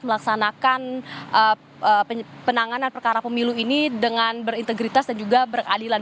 melaksanakan penanganan perkara pemilu ini dengan berintegritas dan juga berkeadilan